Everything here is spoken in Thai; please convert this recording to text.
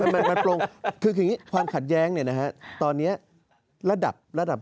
มันปลงคืออย่างนี้ความขัดแย้งเนี่ยนะฮะตอนนี้ระดับระดับ